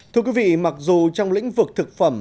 thưa quý vị mặc dù trong lĩnh vực thực phẩm